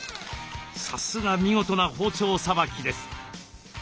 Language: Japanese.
さすが見事な包丁さばきです。